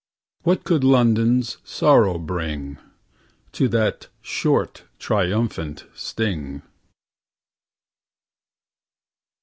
What could London's Sorrow bring— To that short, triumphant sting?